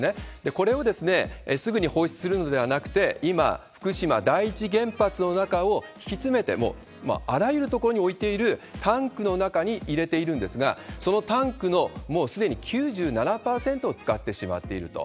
これをすぐに放出するのではなくて、今、福島第一原発の中を敷き詰めてあらゆる所に置いているタンクの中に入れているんですが、そのタンクのもうすでに９７％を使ってしまっていると。